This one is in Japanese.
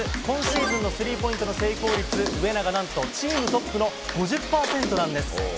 今シーズンのスリーポイントの成功率上長、何とチームトップの５０％なんです。